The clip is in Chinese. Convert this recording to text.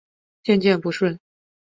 渐渐不顺